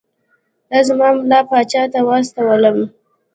ده زه ملا پاچا ته واستولم.